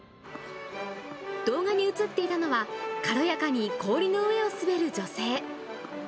動画に映っていたのは、軽やかに氷の上を滑る女性。